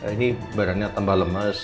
ini badannya tembal lemes